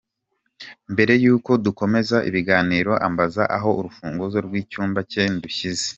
Mbere y’uko dukomeza ibiganiro ambaza aho urufunguzo rw’icyumba cye ndushyize.